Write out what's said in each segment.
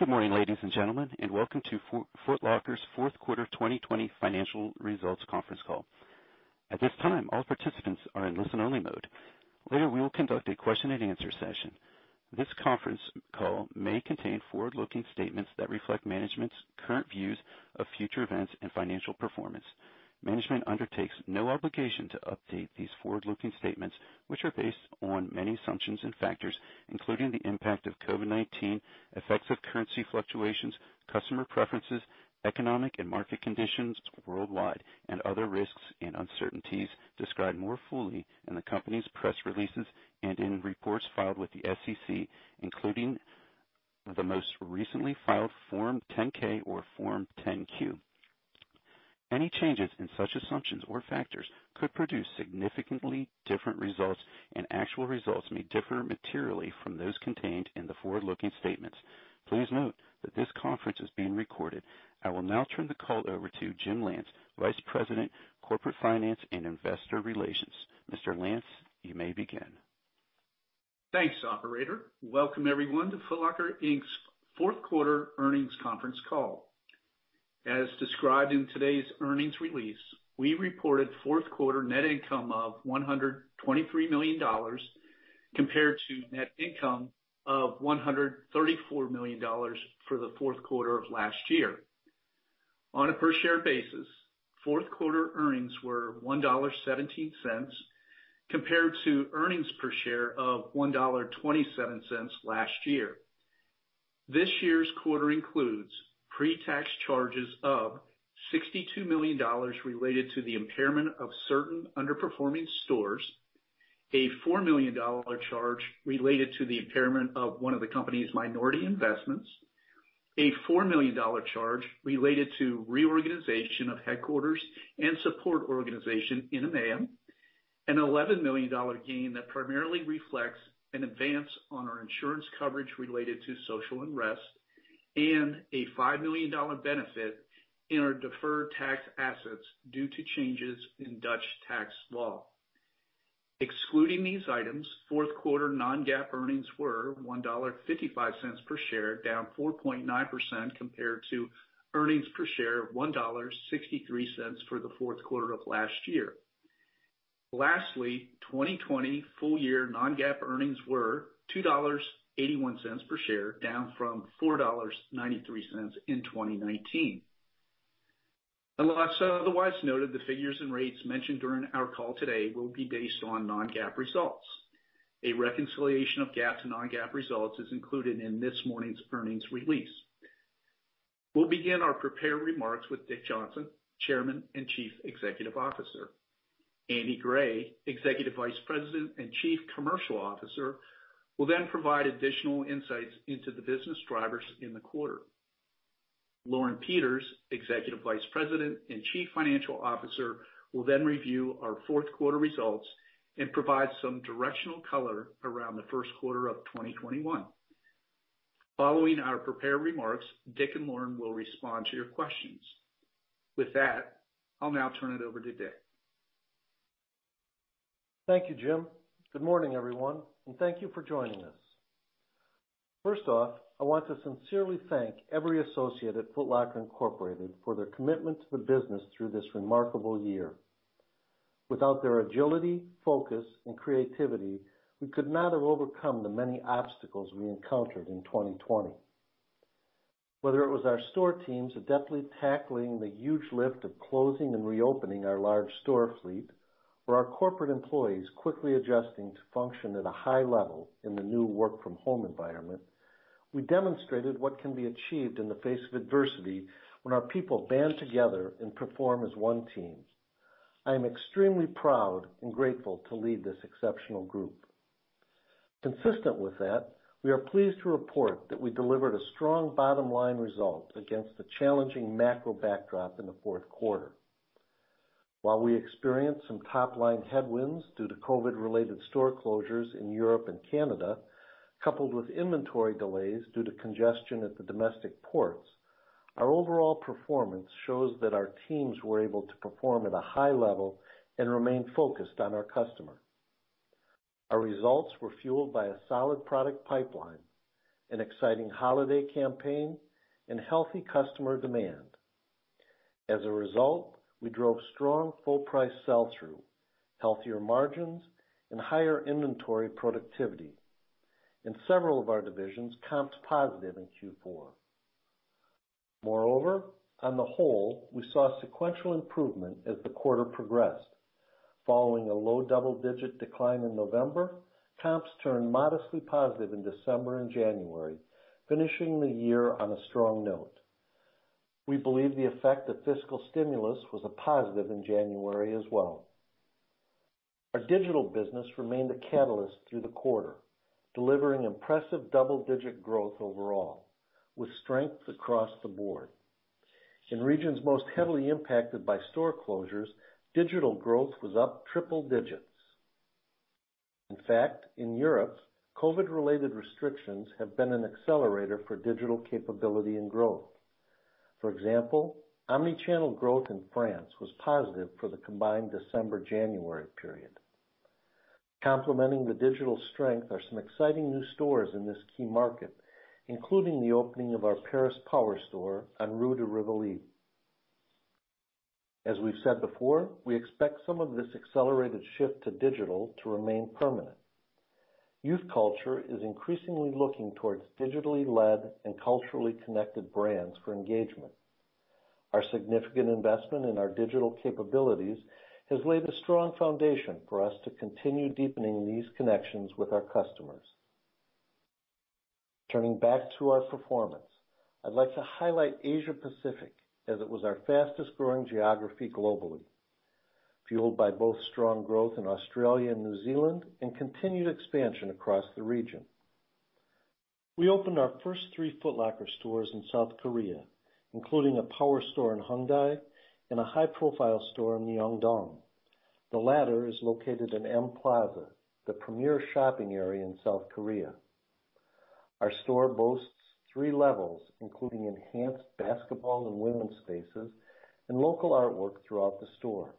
Good morning, ladies and gentlemen, welcome to Foot Locker's Fourth Quarter 2020 Financial Results Conference Call. At this time, all participants are in listen-only mode. Later, we will conduct a question-and-answer session. This conference call may contain forward-looking statements that reflect management's current views of future events and financial performance. Management undertakes no obligation to update these forward-looking statements, which are based on many assumptions and factors, including the impact of COVID-19, effects of currency fluctuations, customer preferences, economic and market conditions worldwide, and other risks and uncertainties described more fully in the company's press releases and in reports filed with the SEC, including the most recently filed Form 10-K or Form 10-Q. Any changes in such assumptions or factors could produce significantly different results, and actual results may differ materially from those contained in the forward-looking statements. Please note that this conference is being recorded. I will now turn the call over to Jim Lance, Vice President, Corporate Finance and Investor Relations. Mr. Lance, you may begin. Thanks, operator. Welcome everyone to Foot Locker, Inc.'s fourth quarter earnings conference call. As described in today's earnings release, we reported fourth quarter net income of $123 million compared to net income of $134 million for the fourth quarter of last year. On a per share basis, fourth quarter earnings were $1.17 compared to earnings per share of $1.27 last year. This year's quarter includes pre-tax charges of $62 million related to the impairment of certain underperforming stores, a $4 million charge related to the impairment of one of the company's minority investments, a $4 million charge related to reorganization of headquarters and support organization in EMEA, an $11 million gain that primarily reflects an advance on our insurance coverage related to social unrest, and a $5 million benefit in our deferred tax assets due to changes in Dutch tax law. Excluding these items, fourth quarter non-GAAP earnings were $1.55 per share, down 4.9% compared to earnings per share of $1.63 for the fourth quarter of last year. Lastly, 2020 full year non-GAAP earnings were $2.81 per share, down from $4.93 in 2019. Unless otherwise noted, the figures and rates mentioned during our call today will be based on non-GAAP results. A reconciliation of GAAP to non-GAAP results is included in this morning's earnings release. We'll begin our prepared remarks with Dick Johnson, Chairman and Chief Executive Officer. Andy Gray, Executive Vice President and Chief Commercial Officer, will then provide additional insights into the business drivers in the quarter. Lauren Peters, Executive Vice President and Chief Financial Officer, will then review our fourth quarter results and provide some directional color around the first quarter of 2021. Following our prepared remarks, Dick and Lauren will respond to your questions. With that, I'll now turn it over to Dick. Thank you, Jim. Good morning, everyone, and thank you for joining us. First off, I want to sincerely thank every associate at Foot Locker, Inc. for their commitment to the business through this remarkable year. Without their agility, focus, and creativity, we could not have overcome the many obstacles we encountered in 2020. Whether it was our store teams adeptly tackling the huge lift of closing and reopening our large store fleet or our corporate employees quickly adjusting to function at a high level in the new work from home environment, we demonstrated what can be achieved in the face of adversity when our people band together and perform as one team. I am extremely proud and grateful to lead this exceptional group. Consistent with that, we are pleased to report that we delivered a strong bottom-line result against the challenging macro backdrop in the fourth quarter. While we experienced some top-line headwinds due to COVID-related store closures in Europe and Canada, coupled with inventory delays due to congestion at the domestic ports, our overall performance shows that our teams were able to perform at a high level and remain focused on our customer. Our results were fueled by a solid product pipeline, an exciting holiday campaign, and healthy customer demand. As a result, we drove strong full price sell-through, healthier margins, and higher inventory productivity. In several of our divisions, comps positive in Q4. Moreover, on the whole, we saw sequential improvement as the quarter progressed. Following a low double-digit decline in November, comps turned modestly positive in December and January, finishing the year on a strong note. We believe the effect of fiscal stimulus was a positive in January as well. Our digital business remained a catalyst through the quarter, delivering impressive double-digit growth overall with strengths across the board. In regions most heavily impacted by store closures, digital growth was up triple digits. In fact, in Europe, COVID related restrictions have been an accelerator for digital capability and growth. For example, omni-channel growth in France was positive for the combined December-January period. Complementing the digital strength are some exciting new stores in this key market, including the opening of our Paris power store on Rue de Rivoli. As we've said before, we expect some of this accelerated shift to digital to remain permanent. Youth culture is increasingly looking towards digitally led and culturally connected brands for engagement. Our significant investment in our digital capabilities has laid a strong foundation for us to continue deepening these connections with our customers. Turning back to our performance, I'd like to highlight Asia Pacific, as it was our fastest-growing geography globally, fueled by both strong growth in Australia and New Zealand and continued expansion across the region. We opened our first three Foot Locker stores in South Korea, including a power store in Hongdae and a high-profile store in Myeong-dong. The latter is located in M Plaza, the premier shopping area in South Korea. Our store boasts three levels, including enhanced basketball and women's spaces, and local artwork throughout the store.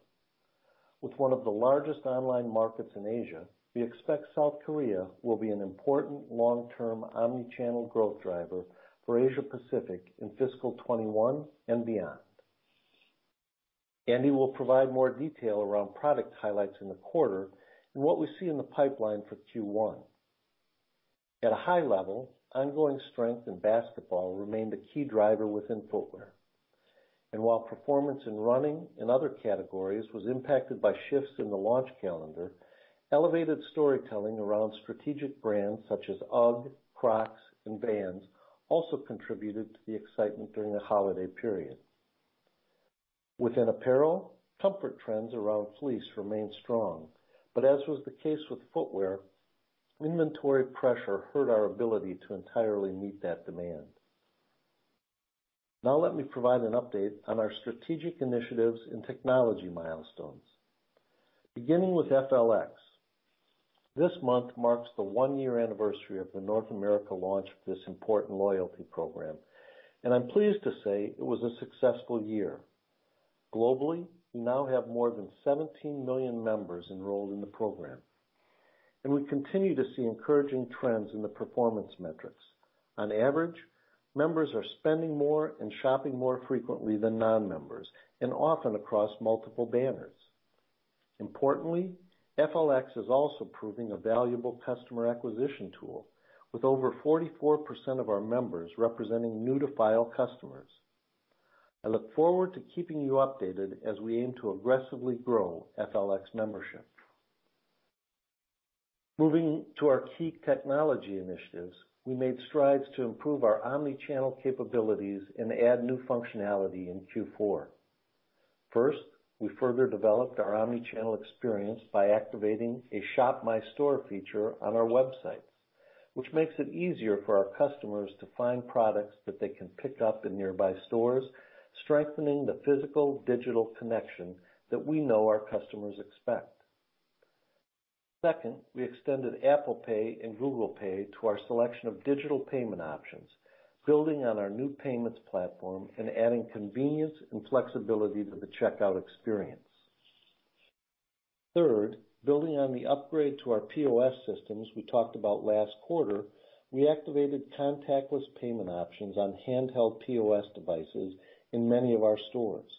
With one of the largest online markets in Asia, we expect South Korea will be an important long-term omni-channel growth driver for Asia Pacific in FY 2021 and beyond. Andy will provide more detail around product highlights in the quarter and what we see in the pipeline for Q1. At a high level, ongoing strength in basketball remained a key driver within footwear. While performance in running and other categories was impacted by shifts in the launch calendar, elevated storytelling around strategic brands such as UGG, Crocs, and Vans also contributed to the excitement during the holiday period. Within apparel, comfort trends around fleece remain strong, but as was the case with footwear, inventory pressure hurt our ability to entirely meet that demand. Now let me provide an update on our strategic initiatives and technology milestones. Beginning with FLX. This month marks the one-year anniversary of the North America launch of this important loyalty program, and I'm pleased to say it was a successful year. Globally, we now have more than 17 million members enrolled in the program. We continue to see encouraging trends in the performance metrics. On average, members are spending more and shopping more frequently than non-members, and often across multiple banners. Importantly, FLX is also proving a valuable customer acquisition tool, with over 44% of our members representing new-to-file customers. I look forward to keeping you updated as we aim to aggressively grow FLX membership. Moving to our key technology initiatives. We made strides to improve our omni-channel capabilities and add new functionality in Q4. First, we further developed our omni-channel experience by activating a Shop My Store feature on our website, which makes it easier for our customers to find products that they can pick up in nearby stores, strengthening the physical-digital connection that we know our customers expect. Second, we extended Apple Pay and Google Pay to our selection of digital payment options, building on our new payments platform and adding convenience and flexibility to the checkout experience. Third, building on the upgrade to our POS systems we talked about last quarter, we activated contactless payment options on handheld POS devices in many of our stores.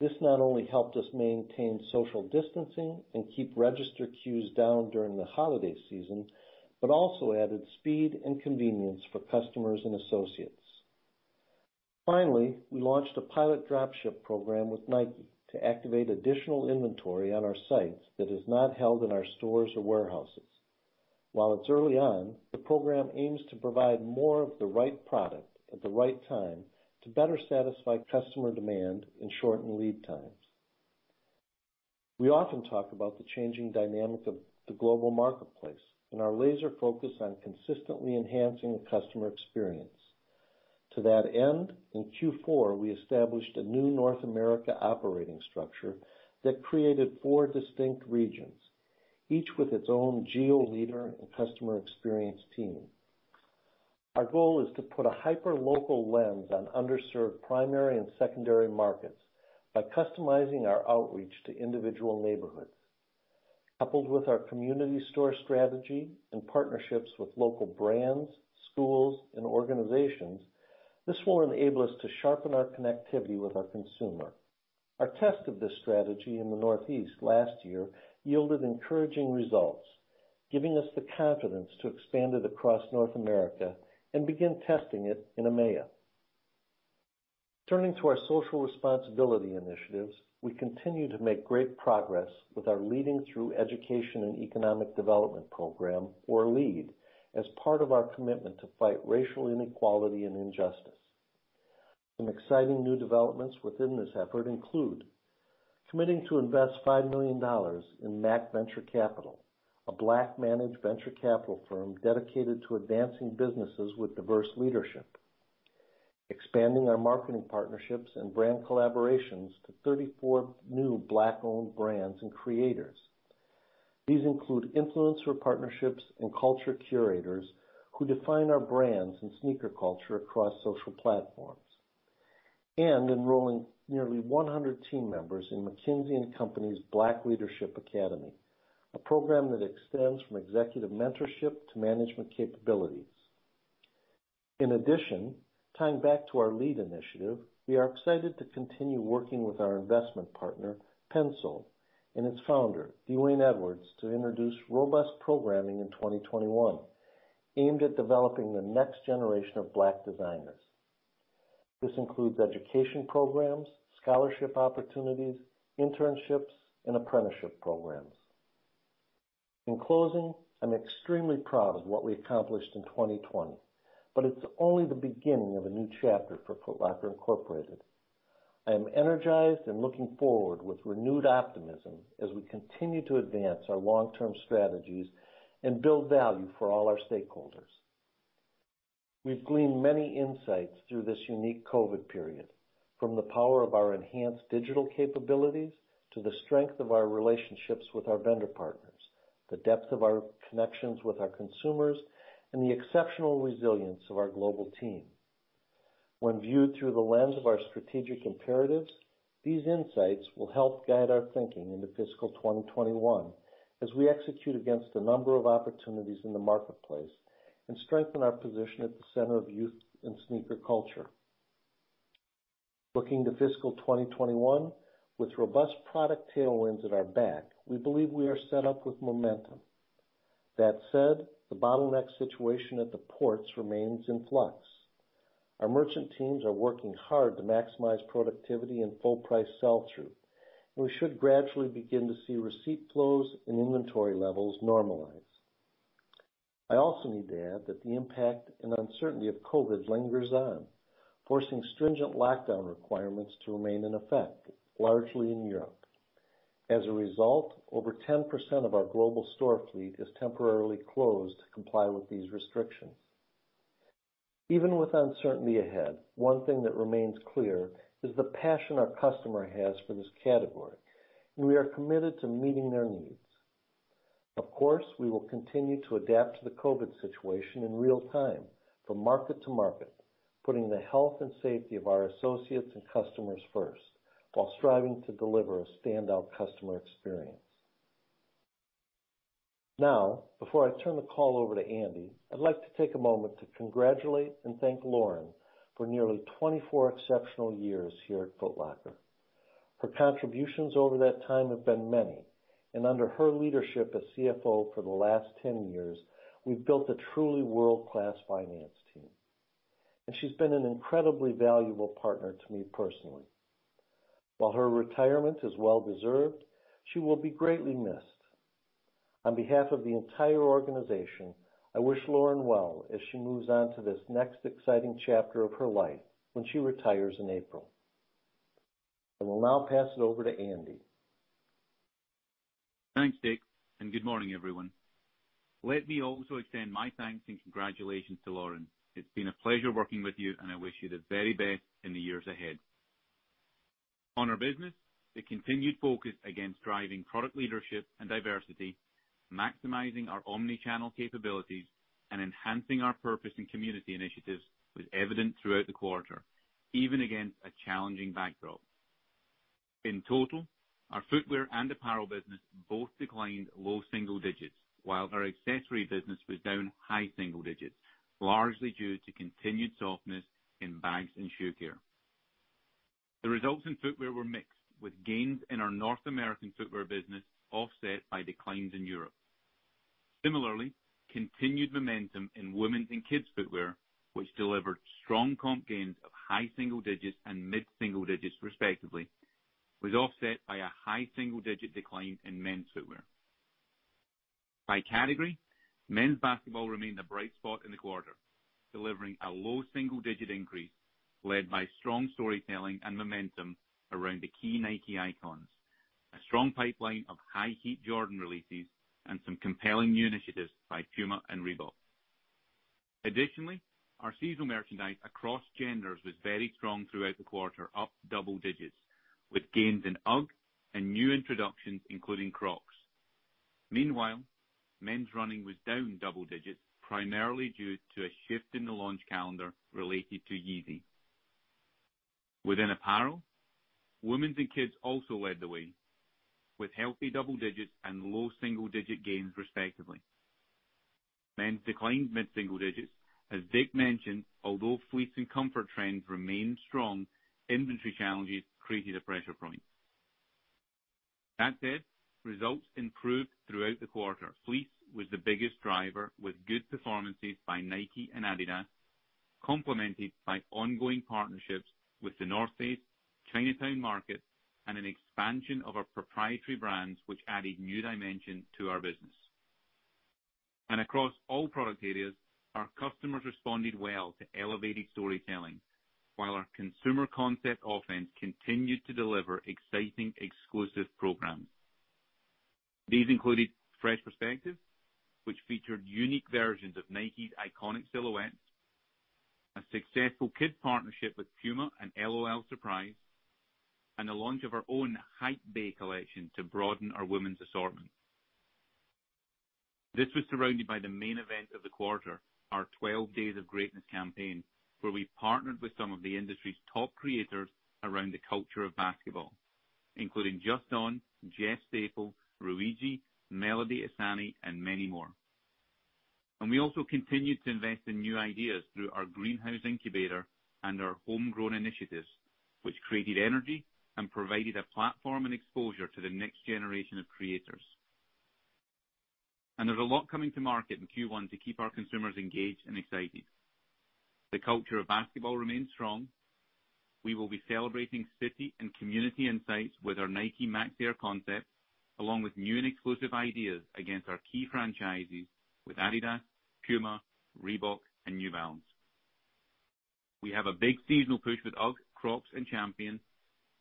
This not only helped us maintain social distancing and keep register queues down during the holiday season, but also added speed and convenience for customers and associates. Finally, we launched a pilot dropship program with Nike to activate additional inventory on our sites that is not held in our stores or warehouses. While it's early on, the program aims to provide more of the right product at the right time to better satisfy customer demand and shorten lead times. We often talk about the changing dynamic of the global marketplace and our laser focus on consistently enhancing the customer experience. To that end, in Q4, we established a new North America operating structure that created four distinct regions, each with its own geo leader and customer experience team. Our goal is to put a hyperlocal lens on underserved primary and secondary markets by customizing our outreach to individual neighborhoods. Coupled with our community store strategy and partnerships with local brands, schools, and organizations, this will enable us to sharpen our connectivity with our consumer. Our test of this strategy in the Northeast last year yielded encouraging results, giving us the confidence to expand it across North America and begin testing it in EMEA. Turning to our social responsibility initiatives. We continue to make great progress with our Leading Through Education and Economic Development program, or LEAD, as part of our commitment to fight racial inequality and injustice. Some exciting new developments within this effort include committing to invest $5 million in MaC Venture Capital, a Black-managed venture capital firm dedicated to advancing businesses with diverse leadership. Expanding our marketing partnerships and brand collaborations to 34 new Black-owned brands and creators. These include influencer partnerships and culture curators who define our brands and sneaker culture across social platforms. Enrolling nearly 100 team members in McKinsey & Company's Black Leadership Academy, a program that extends from executive mentorship to management capabilities. In addition, tying back to our LEAD initiative, we are excited to continue working with our investment partner, Pensole, and its founder, D'Wayne Edwards, to introduce robust programming in 2021, aimed at developing the next generation of Black designers. This includes education programs, scholarship opportunities, internships, and apprenticeship programs. In closing, I'm extremely proud of what we accomplished in 2020, but it's only the beginning of a new chapter for Foot Locker Incorporated. I am energized and looking forward with renewed optimism as we continue to advance our long-term strategies and build value for all our stakeholders. We've gleaned many insights through this unique COVID period: from the power of our enhanced digital capabilities, to the strength of our relationships with our vendor partners, the depth of our connections with our consumers, and the exceptional resilience of our global team. When viewed through the lens of our strategic imperatives, these insights will help guide our thinking into fiscal 2021 as we execute against a number of opportunities in the marketplace and strengthen our position at the center of youth and sneaker culture. Looking to fiscal 2021, with robust product tailwinds at our back, we believe we are set up with momentum. That said, the bottleneck situation at the ports remains in flux. Our merchant teams are working hard to maximize productivity and full price sell-through, and we should gradually begin to see receipt flows and inventory levels normalize. I also need to add that the impact and uncertainty of COVID lingers on, forcing stringent lockdown requirements to remain in effect, largely in Europe. As a result, over 10% of our global store fleet is temporarily closed to comply with these restrictions. Even with uncertainty ahead, one thing that remains clear is the passion our customer has for this category, and we are committed to meeting their needs. Of course, we will continue to adapt to the COVID situation in real time, from market to market, putting the health and safety of our associates and customers first while striving to deliver a standout customer experience. Now, before I turn the call over to Andy, I'd like to take a moment to congratulate and thank Lauren for nearly 24 exceptional years here at Foot Locker. Her contributions over that time have been many, and under her leadership as CFO for the last 10 years, we've built a truly world-class finance team, and she's been an incredibly valuable partner to me personally. While her retirement is well deserved, she will be greatly missed. On behalf of the entire organization, I wish Lauren well as she moves on to this next exciting chapter of her life when she retires in April. I will now pass it over to Andy. Thanks, Dick. Good morning, everyone. Let me also extend my thanks and congratulations to Lauren. It's been a pleasure working with you. I wish you the very best in the years ahead. On our business, the continued focus against driving product leadership and diversity, maximizing our omni-channel capabilities, and enhancing our purpose and community initiatives was evident throughout the quarter, even against a challenging backdrop. In total, our footwear and apparel business both declined low single digits, while our accessory business was down high single digits, largely due to continued softness in bags and shoe care. The results in footwear were mixed, with gains in our North American footwear business offset by declines in Europe. Similarly, continued momentum in women's and kids' footwear, which delivered strong comp gains of high single digits and mid-single digits respectively, was offset by a high single-digit decline in men's footwear. By category, men's basketball remained a bright spot in the quarter, delivering a low single-digit increase led by strong storytelling and momentum around the key Nike icons, a strong pipeline of high heat Jordan releases, and some compelling new initiatives by Puma and Reebok. Additionally, our seasonal merchandise across genders was very strong throughout the quarter, up double digits with gains in UGG and new introductions, including Crocs. Meanwhile, men's running was down double digits, primarily due to a shift in the launch calendar related to Yeezy. Within apparel, women's and kids also led the way with healthy double digits and low single-digit gains respectively. Men's declined mid-single digits. As Dick mentioned, although fleece and comfort trends remain strong, inventory challenges created a pressure point. That said, results improved throughout the quarter. Fleece was the biggest driver, with good performances by Nike and Adidas, complemented by ongoing partnerships with The North Face, Chinatown Market, and an expansion of our proprietary brands, which added new dimension to our business. Across all product areas, our customers responded well to elevated storytelling, while our consumer concept offense continued to deliver exciting exclusive programs. These included Fresh Perspective, which featured unique versions of Nike's iconic silhouettes, a successful kid partnership with Puma and L.O.L. Surprise!, and the launch of our own HYPEBAE collection to broaden our women's assortment. This was surrounded by the main event of the quarter, our 12 Days of Greatness campaign, where we partnered with some of the industry's top creators around the culture of basketball, including Just Don, Jeff Staple, Rhuigi, Melody Ehsani, and many more. We also continued to invest in new ideas through our Greenhouse incubator and our homegrown initiatives, which created energy and provided a platform and exposure to the next generation of creators. There's a lot coming to market in Q1 to keep our consumers engaged and excited. The culture of basketball remains strong. We will be celebrating city and community insights with our Nike Air Max concept, along with new and exclusive ideas against our key franchises with Adidas, Puma, Reebok, and New Balance. We have a big seasonal push with UGG, Crocs, and Champion,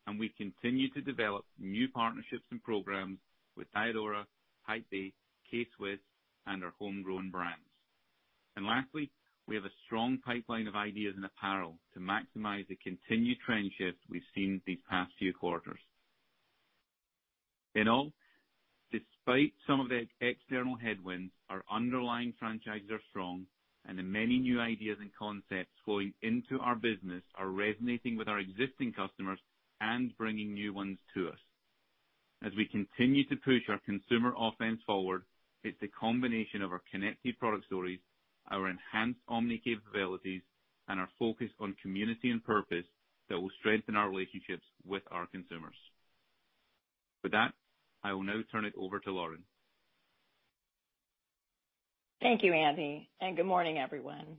and we continue to develop new partnerships and programs with Diadora, HYPEBAE, K-Swiss, and our homegrown brands. Lastly, we have a strong pipeline of ideas and apparel to maximize the continued trend shift we've seen these past few quarters. In all, despite some of the external headwinds, our underlying franchises are strong, and the many new ideas and concepts flowing into our business are resonating with our existing customers and bringing new ones to us. As we continue to push our consumer offense forward, it's a combination of our connected product stories, our enhanced omni capabilities, and our focus on community and purpose that will strengthen our relationships with our consumers. With that, I will now turn it over to Lauren. Thank you, Andy. Good morning, everyone.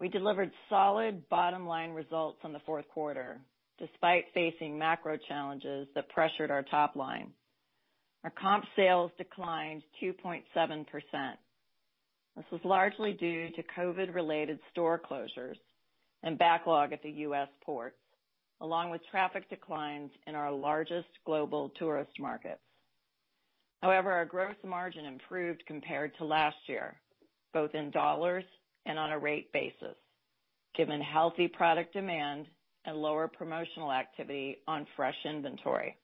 We delivered solid bottom-line results from the fourth quarter, despite facing macro challenges that pressured our top line. Our comp sales declined 2.7%. This was largely due to COVID-related store closures and backlog at the U.S. ports, along with traffic declines in our largest global tourist markets. Our gross margin improved compared to last year, both in dollars and on a rate basis, given healthy product demand and lower promotional activity on fresh inventory.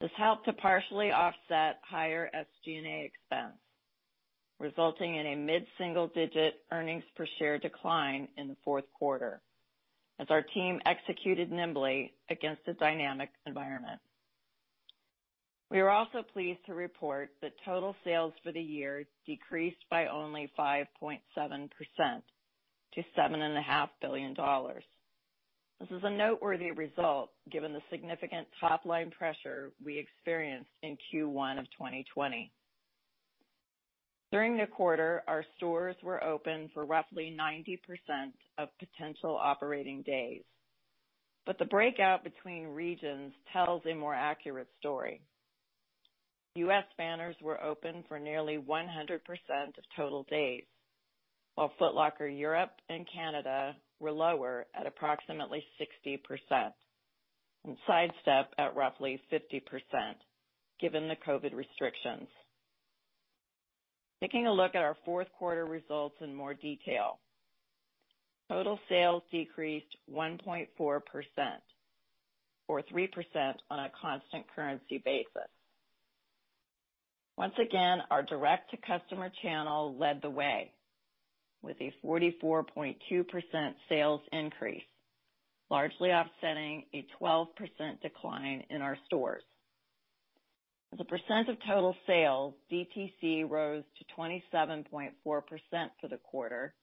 This helped to partially offset higher SG&A expense, resulting in a mid-single-digit earnings per share decline in the fourth quarter as our team executed nimbly against a dynamic environment. We are also pleased to report that total sales for the year decreased by only 5.7% to $7.5 billion. This is a noteworthy result given the significant top-line pressure we experienced in Q1 of 2020. During the quarter, our stores were open for roughly 90% of potential operating days. The breakout between regions tells a more accurate story. U.S. banners were open for nearly 100% of total days, while Foot Locker Europe and Foot Locker Canada were lower at approximately 60%, and Sidestep at roughly 50%, given the COVID restrictions. Taking a look at our fourth quarter results in more detail. Total sales decreased 1.4%, or 3% on a constant currency basis. Once again, our direct-to-customer channel led the way with a 44.2% sales increase, largely offsetting a 12% decline in our stores. As a percent of total sales, DTC rose to 27.4% for the quarter,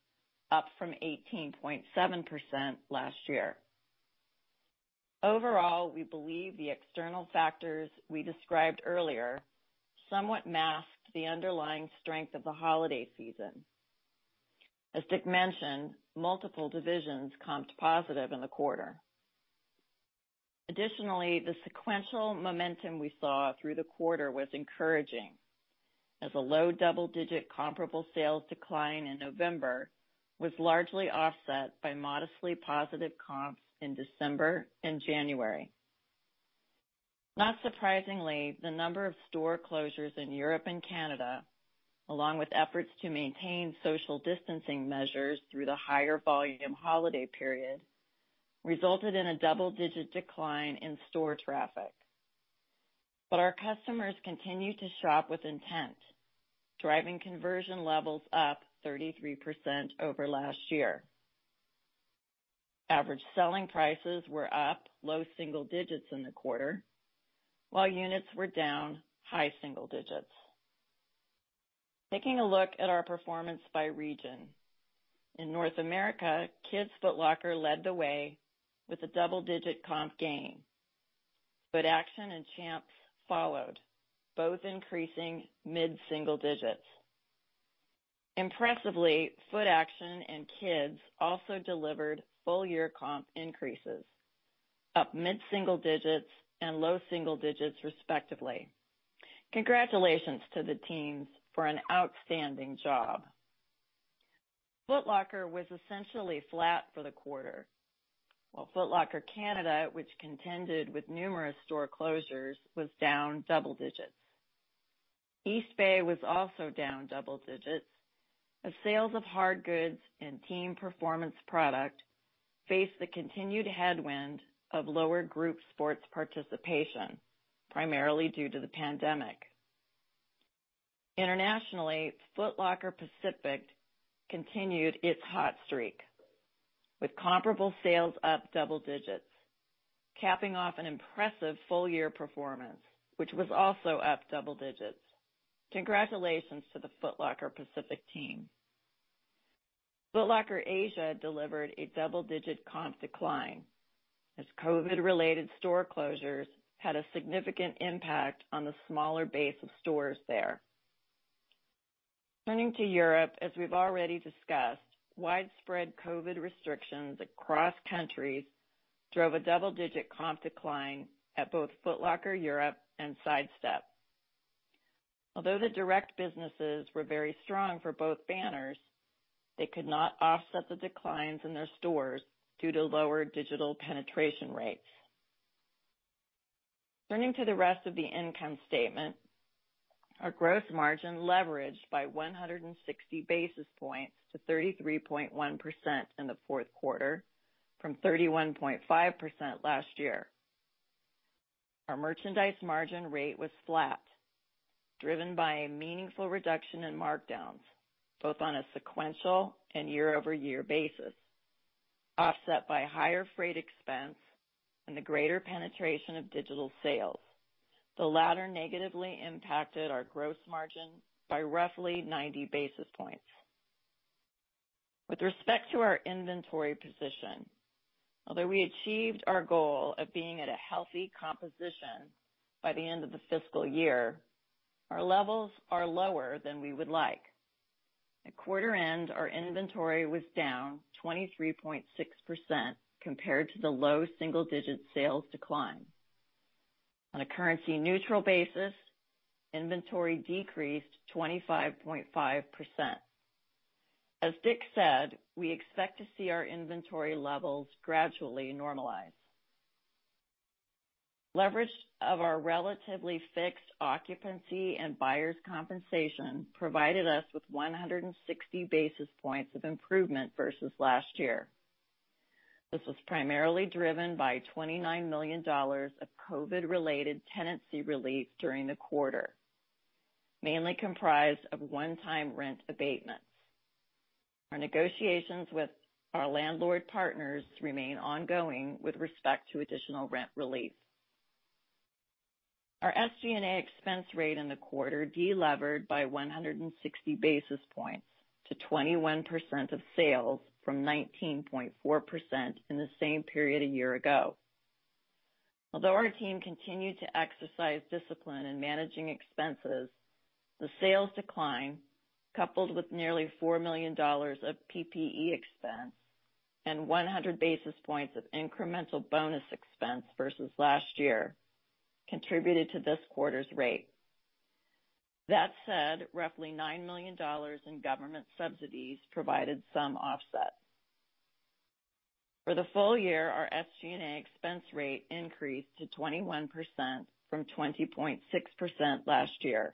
up from 18.7% last year. Overall, we believe the external factors we described earlier somewhat masked the underlying strength of the holiday season. As Dick mentioned, multiple divisions comped positive in the quarter. Additionally, the sequential momentum we saw through the quarter was encouraging as a low double-digit comparable sales decline in November was largely offset by modestly positive comps in December and January. Not surprisingly, the number of store closures in Europe and Canada, along with efforts to maintain social distancing measures through the higher volume holiday period, resulted in a double-digit decline in store traffic. Our customers continued to shop with intent, driving conversion levels up 33% over last year. Average selling prices were up low single digits in the quarter, while units were down high single digits. Taking a look at our performance by region. In North America, Kids Foot Locker led the way with a double-digit comp gain. Footaction and Champs followed, both increasing mid-single digits. Impressively, Footaction and Kids also delivered full-year comp increases, up mid-single digits and low single digits respectively. Congratulations to the teams for an outstanding job. Foot Locker was essentially flat for the quarter, while Foot Locker Canada, which contended with numerous store closures, was down double digits. Eastbay was also down double digits-off sales of hard goods and team performance product faced the continued headwind of lower group sports participation, primarily due to the pandemic. Internationally, Foot Locker Pacific continued its hot streak with comparable sales up double digits, capping off an impressive full year performance, which was also up double digits. Congratulations to the Foot Locker Pacific team. Foot Locker Asia delivered a double-digit comp decline as COVID related store closures had a significant impact on the smaller base of stores there. Turning to Europe, as we've already discussed, widespread COVID restrictions across countries drove a double-digit comp decline at both Foot Locker Europe and Sidestep. Although the direct businesses were very strong for both banners, they could not offset the declines in their stores due to lower digital penetration rates. Turning to the rest of the income statement, our gross margin leveraged by 160 basis points to 33.1% in the fourth quarter from 31.5% last year. Our merchandise margin rate was flat, driven by a meaningful reduction in markdowns both on a sequential and year-over-year basis, offset by higher freight expense and the greater penetration of digital sales. The latter negatively impacted our gross margin by roughly 90 basis points. With respect to our inventory position, although we achieved our goal of being at a healthy composition by the end of the fiscal year, our levels are lower than we would like. At quarter end, our inventory was down 23.6% compared to the low single-digit sales decline. On a currency neutral basis, inventory decreased 25.5%. As Dick said, we expect to see our inventory levels gradually normalize. Leverage of our relatively fixed occupancy and buyers compensation provided us with 160 basis points of improvement versus last year. This was primarily driven by $29 million of COVID related tenancy relief during the quarter, mainly comprised of one-time rent abatements. Our negotiations with our landlord partners remain ongoing with respect to additional rent relief. Our SG&A expense rate in the quarter delevered by 160 basis points to 21% of sales from 19.4% in the same period a year ago. Although our team continued to exercise discipline in managing expenses, the sales decline, coupled with nearly $4 million of PPE expense and 100 basis points of incremental bonus expense versus last year, contributed to this quarter's rate. That said, roughly $9 million in government subsidies provided some offset. For the full year, our SG&A expense rate increased to 21% from 20.6% last year,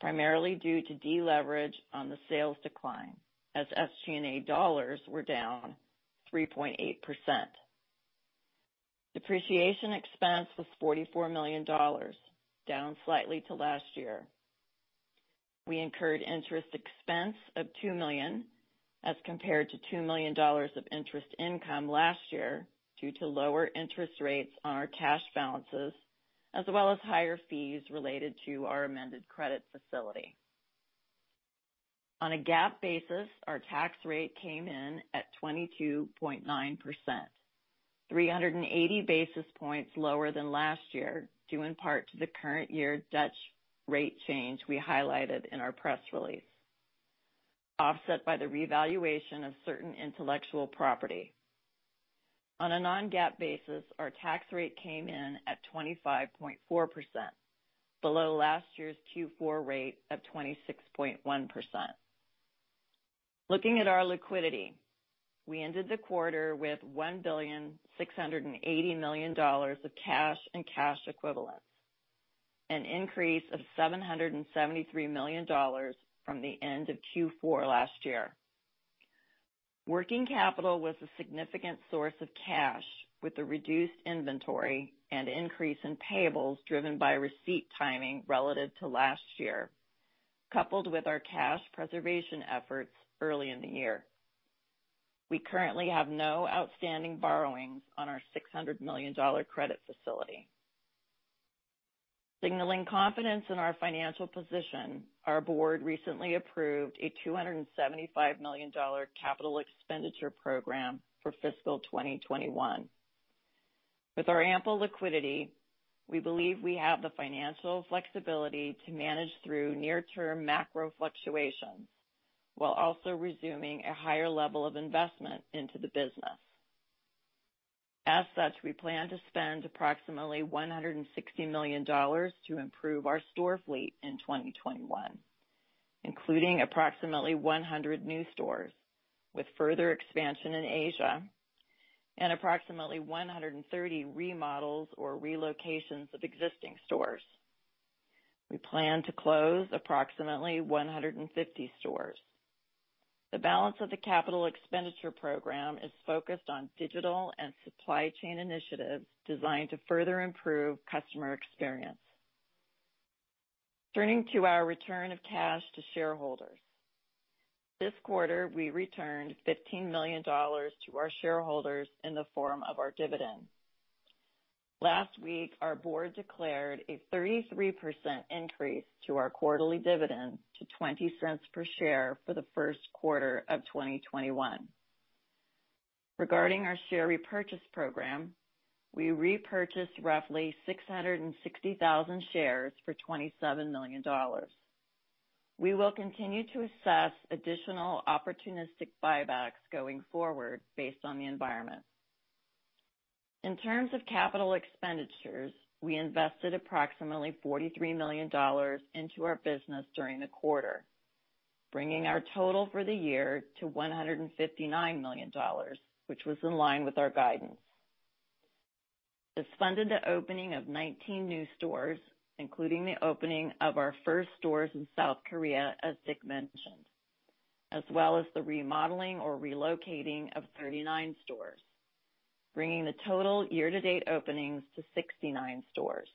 primarily due to deleverage on the sales decline as SG&A dollars were down 3.8%. Depreciation expense was $44 million, down slightly to last year. We incurred interest expense of $2 million as compared to $2 million of interest income last year due to lower interest rates on our cash balances, as well as higher fees related to our amended credit facility. On a GAAP basis, our tax rate came in at 22.9%, 380 basis points lower than last year, due in part to the current year Dutch rate change we highlighted in our press release, offset by the revaluation of certain intellectual property. On a non-GAAP basis, our tax rate came in at 25.4%, below last year's Q4 rate of 26.1%. Looking at our liquidity, we ended the quarter with $1,680 million of cash and cash equivalents, an increase of $773 million from the end of Q4 last year. Working capital was a significant source of cash, with the reduced inventory and increase in payables driven by receipt timing relative to last year, coupled with our cash preservation efforts early in the year. We currently have no outstanding borrowings on our $600 million credit facility. Signaling confidence in our financial position, our board recently approved a $275 million capital expenditure program for fiscal 2021. With our ample liquidity, we believe we have the financial flexibility to manage through near term macro fluctuations, while also resuming a higher level of investment into the business. As such, we plan to spend approximately $160 million to improve our store fleet in 2021, including approximately 100 new stores with further expansion in Asia and approximately 130 remodels or relocations of existing stores. We plan to close approximately 150 stores. The balance of the capital expenditure program is focused on digital and supply chain initiatives designed to further improve customer experience. Turning to our return of cash to shareholders. This quarter, we returned $15 million to our shareholders in the form of our dividend. Last week, our board declared a 33% increase to our quarterly dividend to $0.20 per share for the first quarter of 2021. Regarding our share repurchase program, we repurchased roughly 660,000 shares for $27 million. We will continue to assess additional opportunistic buybacks going forward based on the environment. In terms of capital expenditures, we invested approximately $43 million into our business during the quarter, bringing our total for the year to $159 million, which was in line with our guidance. This funded the opening of 19 new stores, including the opening of our first stores in South Korea, as Dick mentioned, as well as the remodeling or relocating of 39 stores, bringing the total year-to-date openings to 69 stores.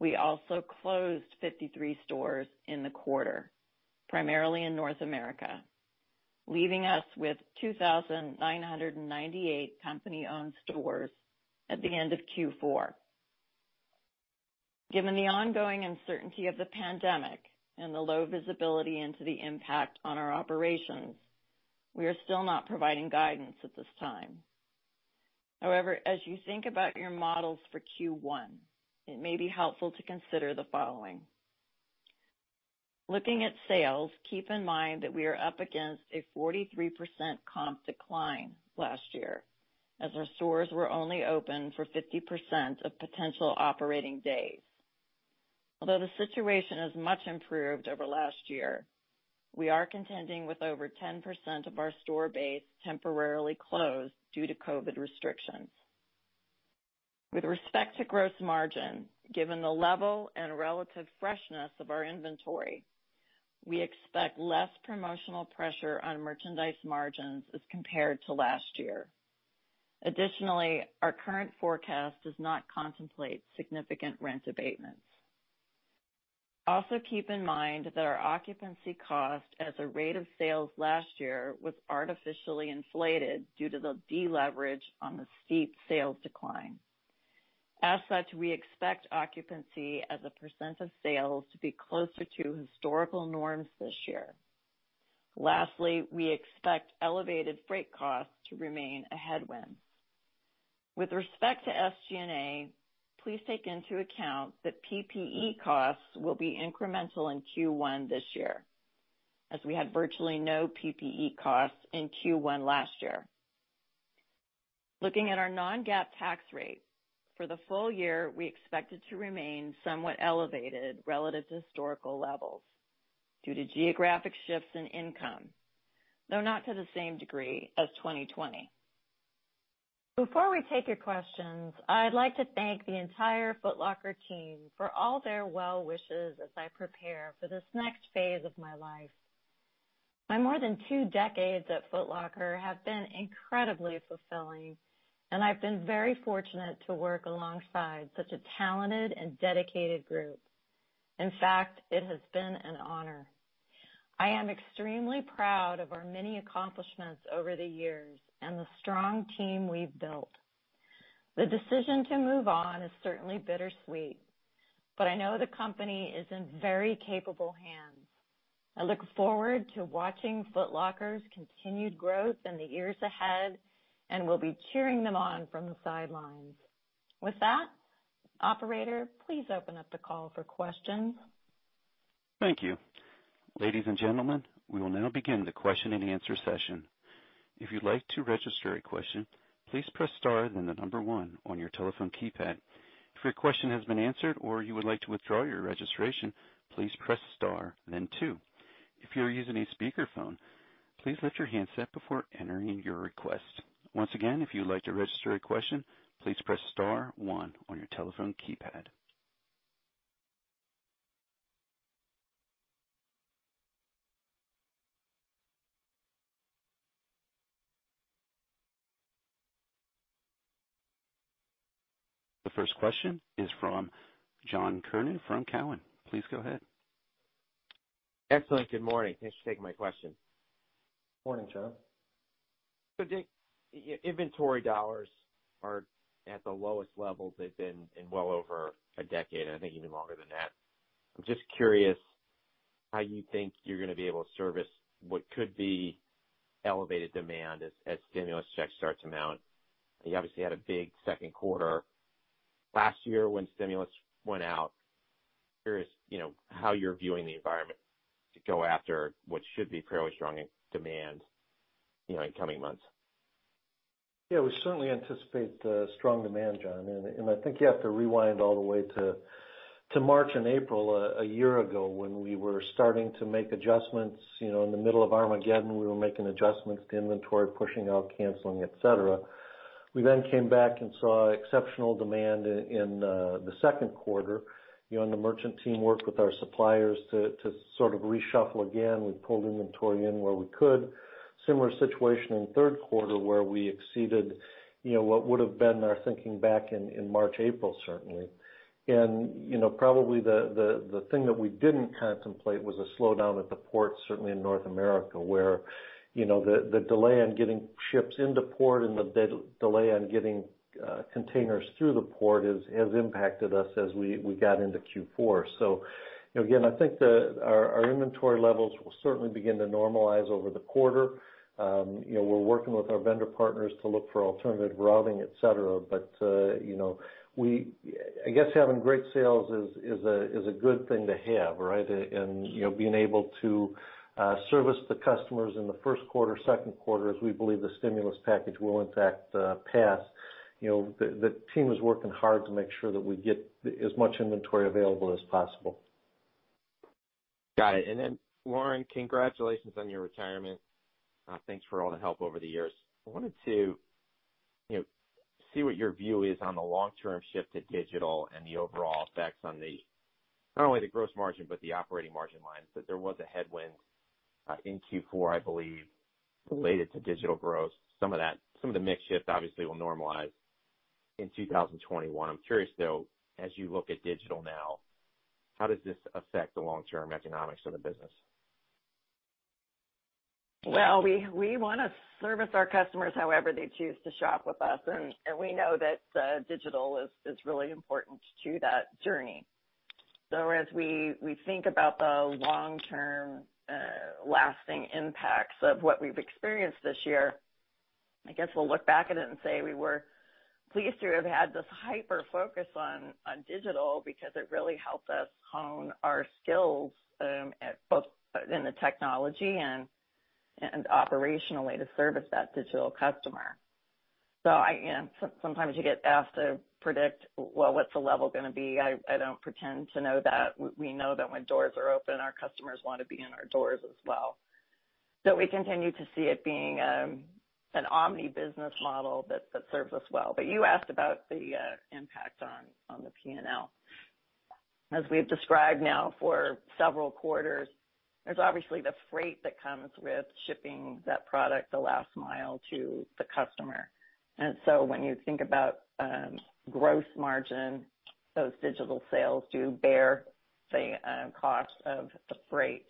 We also closed 53 stores in the quarter, primarily in North America, leaving us with 2,998 company-owned stores at the end of Q4. Given the ongoing uncertainty of the pandemic and the low visibility into the impact on our operations, we are still not providing guidance at this time. However, as you think about your models for Q1, it may be helpful to consider the following. Looking at sales, keep in mind that we are up against a 43% comp decline last year, as our stores were only open for 50% of potential operating days. Although the situation has much improved over last year, we are contending with over 10% of our store base temporarily closed due to COVID restrictions. With respect to gross margin, given the level and relative freshness of our inventory, we expect less promotional pressure on merchandise margins as compared to last year. Additionally, our current forecast does not contemplate significant rent abatements. Also keep in mind that our occupancy cost as a rate of sales last year was artificially inflated due to the deleverage on the steep sales decline. As such, we expect occupancy as a % of sales to be closer to historical norms this year. Lastly, we expect elevated freight costs to remain a headwind. With respect to SG&A, please take into account that PPE costs will be incremental in Q1 this year, as we had virtually no PPE costs in Q1 last year. Looking at our non-GAAP tax rate, for the full year, we expect it to remain somewhat elevated relative to historical levels due to geographic shifts in income, though not to the same degree as 2020. Before we take your questions, I'd like to thank the entire Foot Locker team for all their well wishes as I prepare for this next phase of my life. My more than two decades at Foot Locker have been incredibly fulfilling, and I've been very fortunate to work alongside such a talented and dedicated group. In fact, it has been an honor. I am extremely proud of our many accomplishments over the years and the strong team we've built. The decision to move on is certainly bittersweet, but I know the company is in very capable hands. I look forward to watching Foot Locker's continued growth in the years ahead and will be cheering them on from the sidelines. With that, Operator, please open up the call for questions. Thank you. Ladies and gentlemen, we will now begin the question-and-answer session. If you'd like to register a question, please press star then the number one on your telephone keypad. If your question has been answered or you would like to withdraw your registration, please press star then two. If you are using a speakerphone, please lift your handset before entering your request. Once again, if you would like to register a question, please press star 1 on your telephone keypad. The first question is from John Kernan from Cowen. Please go ahead. Excellent. Good morning. Thanks for taking my question. Morning, John. Dick, inventory dollars are at the lowest levels they've been in well over a decade, and I think even longer than that. I'm just curious how you think you're going to be able to service what could be elevated demand as stimulus checks start to mount. You obviously had a big second quarter last year when stimulus went out. I'm curious how you're viewing the environment to go after what should be fairly strong demand in coming months. Yeah, we certainly anticipate strong demand, John. I think you have to rewind all the way to March and April a year ago, when we were starting to make adjustments, in the middle of Armageddon, we were making adjustments to inventory, pushing out, canceling, et cetera. We came back and saw exceptional demand in the second quarter. The merchant team worked with our suppliers to sort of reshuffle again. We pulled inventory in where we could. Similar situation in the third quarter, where we exceeded what would've been our thinking back in March, April, certainly. Probably the thing that we didn't contemplate was a slowdown at the port, certainly in North America, where the delay in getting ships into port and the delay on getting containers through the port has impacted us as we got into Q4. Again, I think that our inventory levels will certainly begin to normalize over the quarter. We're working with our vendor partners to look for alternative routing, et cetera. I guess having great sales is a good thing to have, right? Being able to service the customers in the first quarter, second quarter, as we believe the stimulus package will, in fact, pass. The team is working hard to make sure that we get as much inventory available as possible. Got it. Lauren, congratulations on your retirement. Thanks for all the help over the years. I wanted to see what your view is on the long-term shift to digital and the overall effects on not only the gross margin, but the operating margin lines. There was a headwind in Q4, I believe, related to digital growth. Some of the mix shift obviously will normalize in 2021. I'm curious, though, as you look at digital now, how does this affect the long-term economics of the business? Well, we want to service our customers however they choose to shop with us. We know that digital is really important to that journey. As we think about the long-term, lasting impacts of what we've experienced this year, I guess we'll look back at it and say we were pleased to have had this hyper-focus on digital because it really helped us hone our skills, both in the technology and operationally to service that digital customer. Sometimes you get asked to predict, well, what's the level going to be? I don't pretend to know that. We know that when doors are open, our customers want to be in our doors as well. We continue to see it being an omni-business model that serves us well. You asked about the impact on the P&L. As we've described now for several quarters, there's obviously the freight that comes with shipping that product the last mile to the customer. When you think about gross margin, those digital sales do bear the cost of the freight.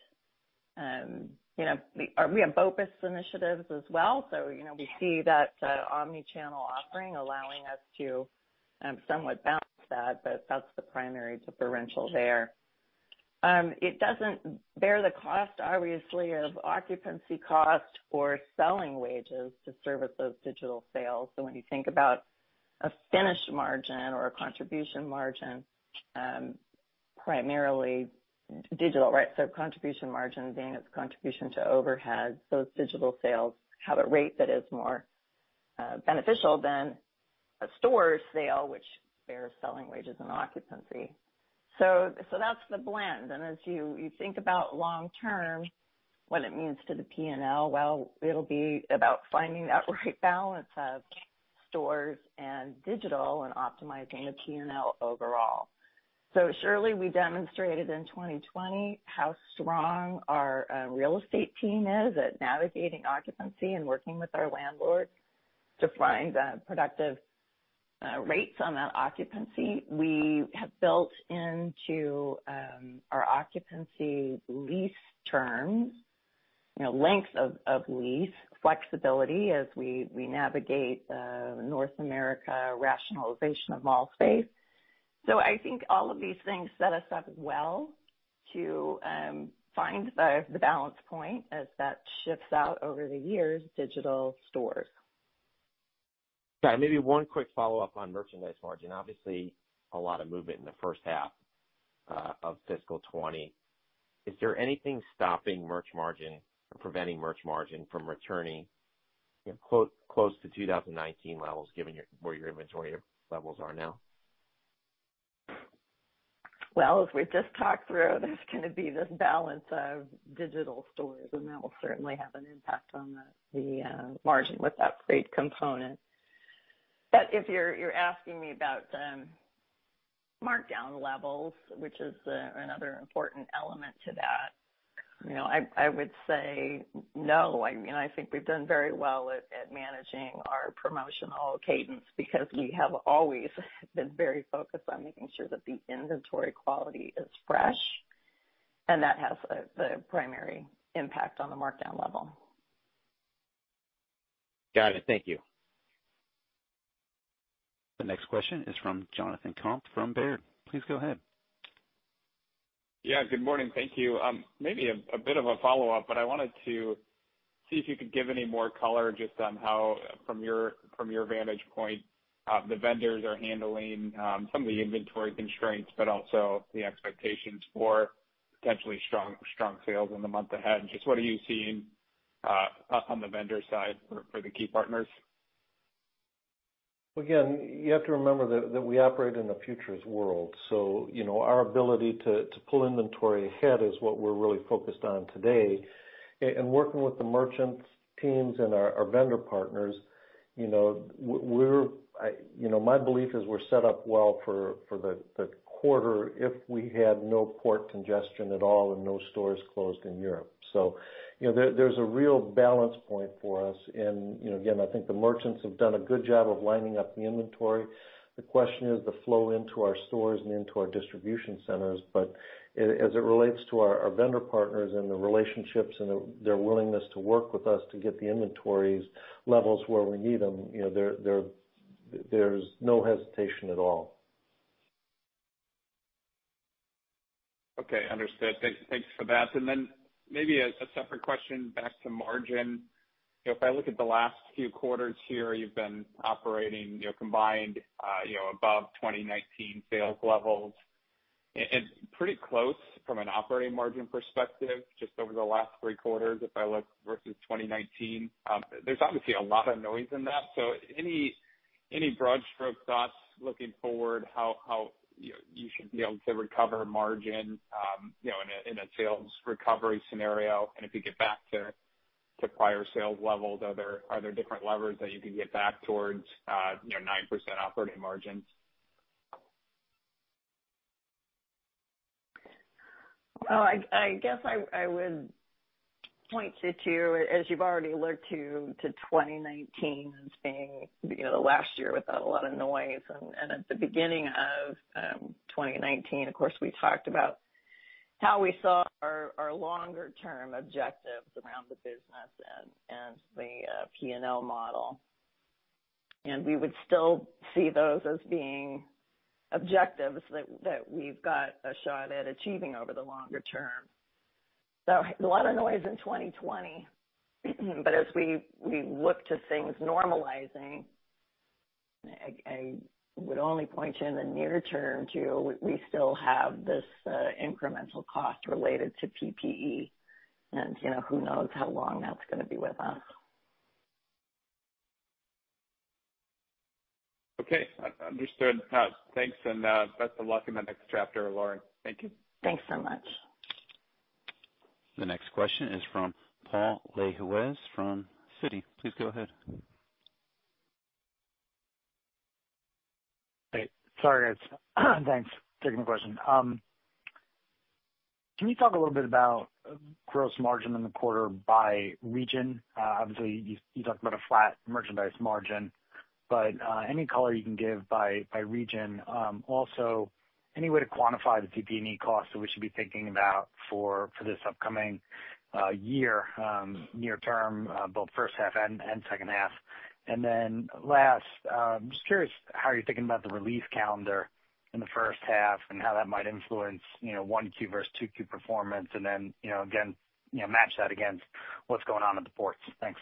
We have BOPIS initiatives as well. We see that omni-channel offering allowing us to somewhat balance that, but that's the primary differential there. It doesn't bear the cost, obviously, of occupancy cost or selling wages to service those digital sales. When you think about a finished margin or a contribution margin, primarily digital, right? Contribution margin being its contribution to overhead. Those digital sales have a rate that is more beneficial than a store sale, which bears selling wages and occupancy. That's the blend. As you think about long term, what it means to the P&L, well, it'll be about finding that right balance of stores and digital and optimizing the P&L overall. Surely, we demonstrated in 2020 how strong our real estate team is at navigating occupancy and working with our landlords to find productive rates on that occupancy. We have built into our occupancy lease terms, length of lease, flexibility as we navigate North America rationalization of mall space. I think all of these things set us up well to find the balance point as that shifts out over the years, digital stores. Got it. Maybe one quick follow-up on merchandise margin. Obviously, a lot of movement in the first half of fiscal 2020. Is there anything stopping merch margin or preventing merch margin from returning close to 2019 levels, given where your inventory levels are now? Well, as we've just talked through, there's going to be this balance of digital stores, and that will certainly have an impact on the margin with that freight component. If you're asking me about markdown levels, which is another important element to that, I would say no. I think we've done very well at managing our promotional cadence because we have always been very focused on making sure that the inventory quality is fresh, and that has the primary impact on the markdown level. Got it. Thank you. The next question is from Jonathan Komp from Baird. Please go ahead. Yeah. Good morning. Thank you. Maybe a bit of a follow-up. I wanted to see if you could give any more color just on how, from your vantage point, the vendors are handling some of the inventory constraints, but also the expectations for potentially strong sales in the month ahead. Just what are you seeing up on the vendor side for the key partners? Again, you have to remember that we operate in a futures world. Our ability to pull inventory ahead is what we're really focused on today. Working with the merchant teams and our vendor partners, my belief is we're set up well for the quarter if we had no port congestion at all and no stores closed in Europe. There's a real balance point for us. Again, I think the merchants have done a good job of lining up the inventory. The question is the flow into our stores and into our distribution centers. As it relates to our vendor partners and the relationships and their willingness to work with us to get the inventory levels where we need them, there's no hesitation at all. Okay. Understood. Thanks for that. Maybe a separate question back to margin. If I look at the last few quarters here, you've been operating combined above 2019 sales levels and pretty close from an operating margin perspective just over the last three quarters if I look versus 2019. There's obviously a lot of noise in that. Any broad stroke thoughts looking forward how you should be able to recover margin in a sales recovery scenario? If you get back to prior sales levels, are there different levers that you can get back towards 9% operating margins? Well, I guess I would point you to, as you've already alluded to, 2019 as being the last year without a lot of noise. At the beginning of 2019, of course, we talked about how we saw our longer term objectives around the business and the P&L model. We would still see those as being objectives that we've got a shot at achieving over the longer term. A lot of noise in 2020. As we look to things normalizing, I would only point you in the near term to, we still have this incremental cost related to PPE and who knows how long that's going to be with us. Okay. Understood. Thanks, and best of luck in the next chapter, Lauren. Thank you. Thanks so much. The next question is from Paul Lejuez from Citi. Please go ahead. Hey, sorry, guys. Thanks for taking the question. Can you talk a little bit about gross margin in the quarter by region? Obviously, you talked about a flat merchandise margin. Any color you can give by region. Also, any way to quantify the PPE cost that we should be thinking about for this upcoming year, near term, both first half and second half? Last, just curious how you're thinking about the release calendar in the first half and how that might influence 1Q versus 2Q performance, again, match that against what's going on at the ports. Thanks.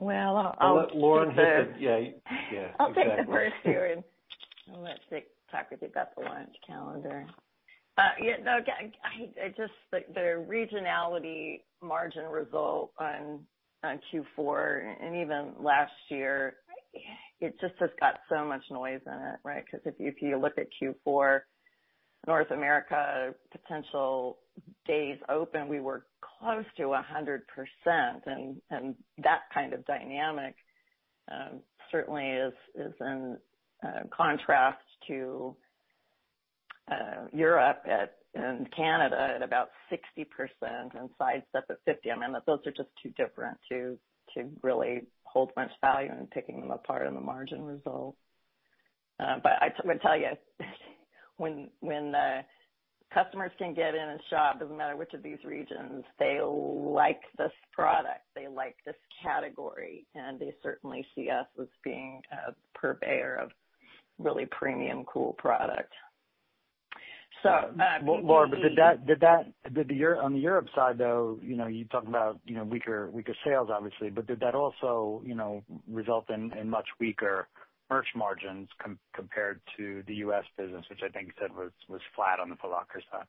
I'll let Lauren take the. Yeah, exactly. I'll take the first here and let Pat talk with you about the launch calendar. Yeah, no, just the regionality margin result on Q4 and even last year, it just has got so much noise in it, right? If you look at Q4, North America potential days open, we were close to 100%. That kind of dynamic certainly is in contrast to Europe and Canada at about 60% and Sidestep at 50%. I mean, those are just too different to really hold much value in picking them apart in the margin result. I would tell you, when the customers can get in and shop, doesn't matter which of these regions, they like this product, they like this category, and they certainly see us as being a purveyor of really premium, cool product. Well, Lauren, on the Europe side, though, you talk about weaker sales, obviously, did that also result in much weaker merch margins compared to the U.S. business, which I think you said was flat on the Foot Locker side?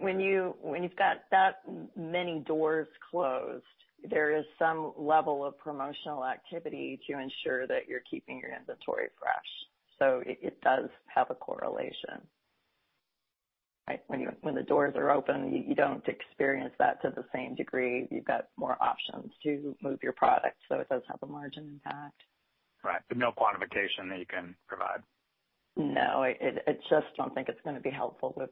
When you've got that many doors closed, there is some level of promotional activity to ensure that you're keeping your inventory fresh. It does have a correlation. When the doors are open, you don't experience that to the same degree. You've got more options to move your product, it does have a margin impact. Right. No quantification that you can provide? No, I just don't think it's going to be helpful with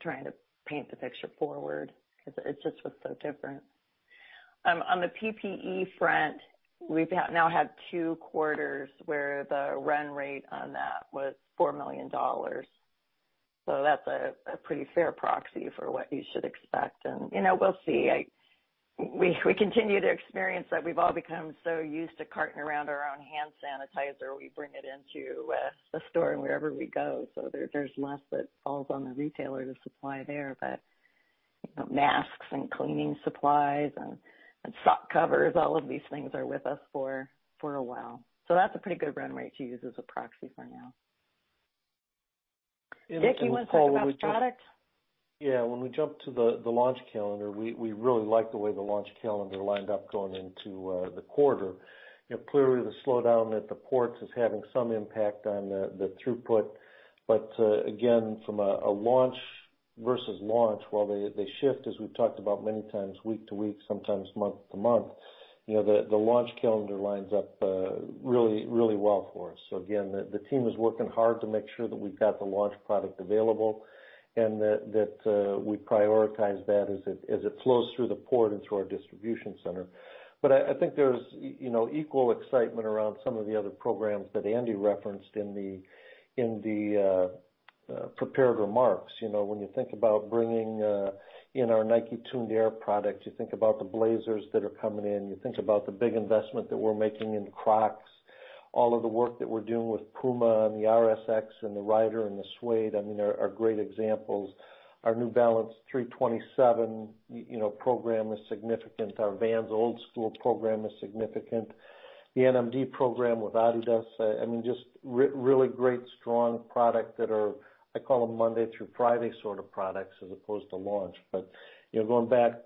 trying to paint the picture forward because it just was so different. On the PPE front, we've now had two quarters where the run rate on that was $4 million. That's a pretty fair proxy for what you should expect. We'll see. We continue to experience that we've all become so used to carting around our own hand sanitizer. We bring it into a store and wherever we go. There's less that falls on the retailer to supply there. Masks and cleaning supplies and sock covers, all of these things are with us for a while. That's a pretty good run rate to use as a proxy for now. Dick, you want to say something about product? Yeah. When we jump to the launch calendar, we really like the way the launch calendar lined up going into the quarter. Clearly, the slowdown at the ports is having some impact on the throughput. Again, from a launch versus launch, while they shift, as we've talked about many times, week to week, sometimes month to month. The launch calendar lines up really well for us. Again, the team is working hard to make sure that we've got the launch product available and that we prioritize that as it flows through the port into our distribution center. I think there's equal excitement around some of the other programs that Andy referenced in the prepared remarks. When you think about bringing in our Nike Tuned Air product, you think about the Blazer that are coming in. You think about the big investment that we're making in Crocs, all of the work that we're doing with Puma on the RS-X and the Rider and the Suede, I mean, are great examples. Our New Balance 327 program is significant. Our Vans Old Skool program is significant. The NMD program with Adidas. Just really great, strong product that are, I call them, Monday through Friday sort of products as opposed to launch. Going back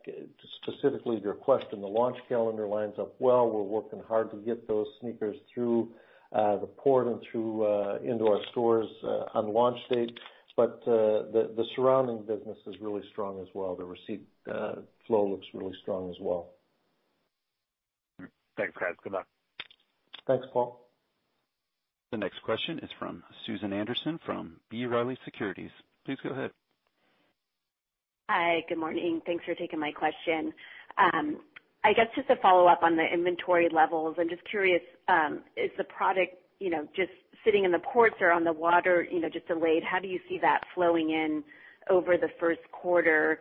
specifically to your question, the launch calendar lines up well. We're working hard to get those sneakers through the port and into our stores on launch date. The surrounding business is really strong as well. The receipt flow looks really strong as well. Thanks, guys. Good luck. Thanks, Paul. The next question is from Susan Anderson from B. Riley Securities. Please go ahead. Hi. Good morning. Thanks for taking my question. I guess, just to follow up on the inventory levels, I'm just curious, is the product just sitting in the ports or on the water, just delayed? How do you see that flowing in over the first quarter?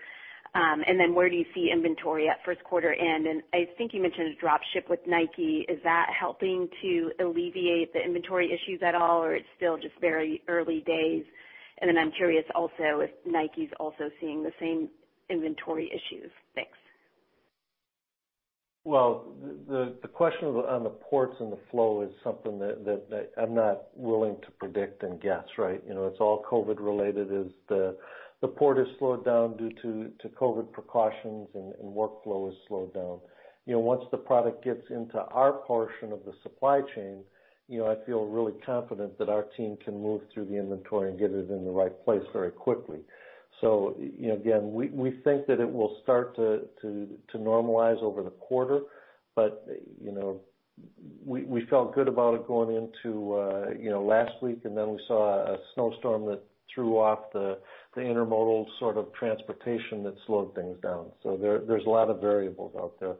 Where do you see inventory at first quarter end? I think you mentioned a drop ship with Nike. Is that helping to alleviate the inventory issues at all, or it's still just very early days? I'm curious also if Nike's also seeing the same inventory issues? Thanks. The question on the ports and the flow is something that I'm not willing to predict and guess, right? It's all COVID related. As the port is slowed down due to COVID precautions and workflow is slowed down. Once the product gets into our portion of the supply chain, I feel really confident that our team can move through the inventory and get it in the right place very quickly. Again, we think that it will start to normalize over the quarter. We felt good about it going into last week, and then we saw a snowstorm that threw off the intermodal sort of transportation that slowed things down. There's a lot of variables out there.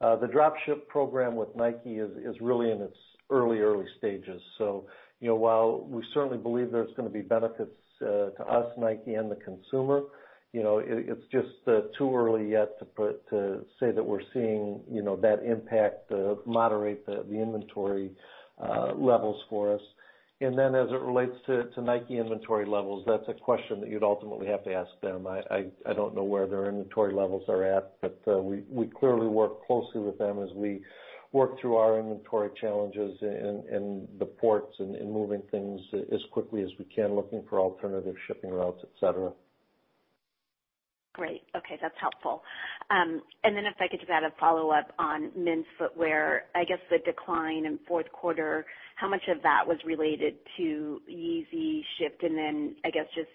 The drop ship program with Nike is really in its early stages. While we certainly believe there's going to be benefits to us, Nike, and the consumer, it's just too early yet to say that we're seeing that impact moderate the inventory levels for us. As it relates to Nike inventory levels, that's a question that you'd ultimately have to ask them. I don't know where their inventory levels are at, but we clearly work closely with them as we work through our inventory challenges in the ports and in moving things as quickly as we can, looking for alternative shipping routes, et cetera. Great. Okay, that's helpful. If I could just add a follow-up on men's footwear, I guess the decline in fourth quarter, how much of that was related to Yeezy shift? I guess, just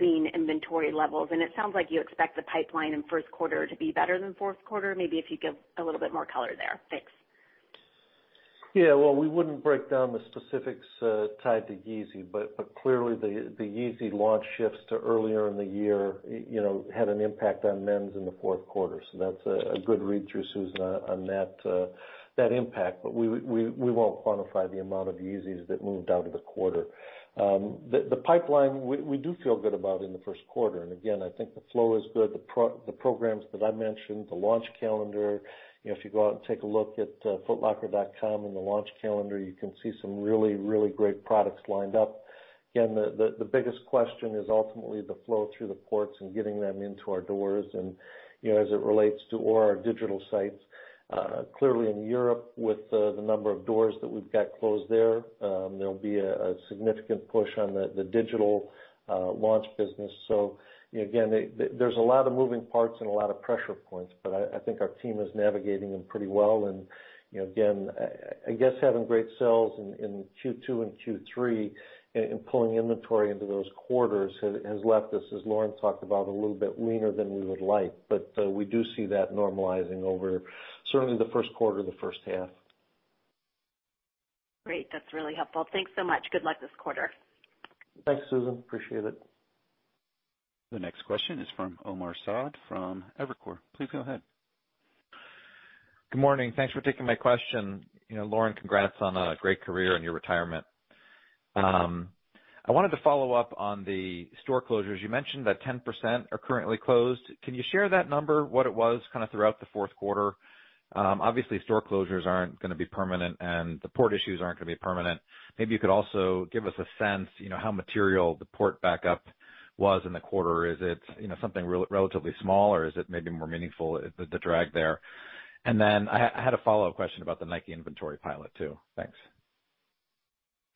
lean inventory levels? It sounds like you expect the pipeline in first quarter to be better than fourth quarter. Maybe if you give a little bit more color there. Thanks. Well, we wouldn't break down the specifics tied to Yeezy, but clearly the Yeezy launch shifts to earlier in the year had an impact on men's in the fourth quarter. That's a good read through, Susan, on that impact. We won't quantify the amount of Yeezys that moved out of the quarter. The pipeline, we do feel good about in the first quarter, and again, I think the flow is good. The programs that I mentioned, the launch calendar, if you go out and take a look at footlocker.com and the launch calendar, you can see some really, really great products lined up. Again, the biggest question is ultimately the flow through the ports and getting them into our doors and as it relates to all our digital sites. Clearly in Europe with the number of doors that we've got closed there'll be a significant push on the digital launch business. Again, there's a lot of moving parts and a lot of pressure points, but I think our team is navigating them pretty well. Again, I guess having great sales in Q2 and Q3 and pulling inventory into those quarters has left us, as Lauren talked about, a little bit leaner than we would like. We do see that normalizing over certainly the first quarter or the first half. Great. That's really helpful. Thanks so much. Good luck this quarter. Thanks, Susan. Appreciate it. The next question is from Omar Saad from Evercore. Please go ahead. Good morning. Thanks for taking my question. Lauren, congrats on a great career and your retirement. I wanted to follow up on the store closures. You mentioned that 10% are currently closed. Can you share that number, what it was kind of throughout the fourth quarter? Obviously, store closures aren't going to be permanent, and the port issues aren't going to be permanent. Maybe you could also give us a sense, how material the port backup was in the quarter. Is it something relatively small, or is it maybe more meaningful, the drag there? I had a follow-up question about the Nike inventory pilot too. Thanks.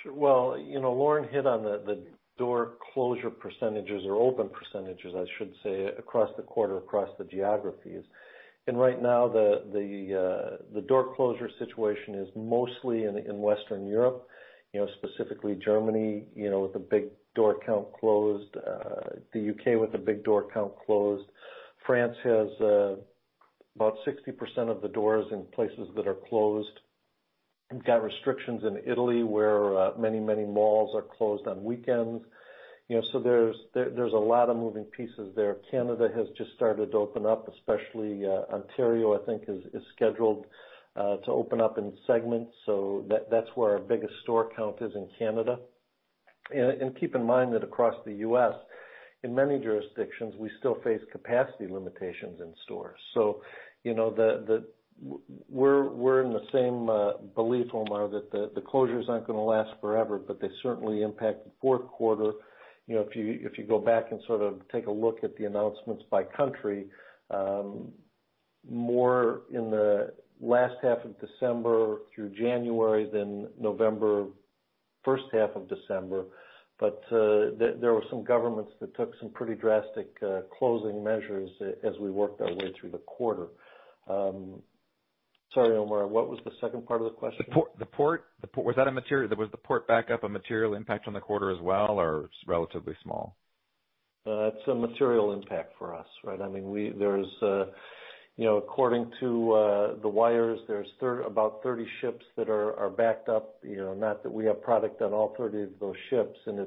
Lauren hit on the door closure percentage or open percentage, I should say, across the quarter, across the geographies. Right now, the door closure situation is mostly in Western Europe, specifically Germany, with a big door count closed, the U.K. with a big door count closed. France has about 60% of the doors in places that are closed. We've got restrictions in Italy, where many malls are closed on weekends. There's a lot of moving pieces there. Canada has just started to open up, especially Ontario, I think, is scheduled to open up in segments. That's where our biggest store count is in Canada. Keep in mind that across the U.S., in many jurisdictions, we still face capacity limitations in stores. We're in the same belief, Omar, that the closures aren't going to last forever, but they certainly impact the fourth quarter. You go back and sort of take a look at the announcements by country, more in the last half of December through January than November, first half of December. There were some governments that took some pretty drastic closing measures as we worked our way through the quarter. Sorry, Omar, what was the second part of the question? The port, was the port backup a material impact on the quarter as well, or it's relatively small? It's a material impact for us, right? According to the wires, there's about 30 ships that are backed up. Not that we have product on all 30 of those ships, and